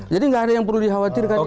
jadi nggak ada yang perlu dikhawatirkan